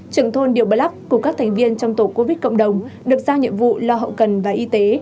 trưởng thôn điệu bờ lắc của các thành viên trong tổ covid cộng đồng được giao nhiệm vụ lo hậu cần và y tế